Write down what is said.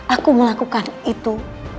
aku melakukan itu